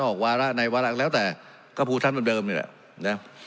ออกวาระในวาระแล้วแต่ก็พูดทั้งเดิมเดิมนี่แหละเนี่ย